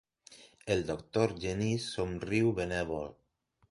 El doctor Genís somriu, benèvol.